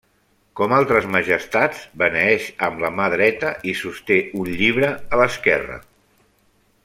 Com altres majestats, beneeix amb la mà dreta i sosté un llibre a l'esquerra.